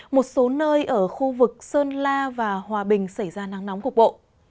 một số nơi ở khu vực sơn la và hòa bình xảy ra nắng nóng cục bộ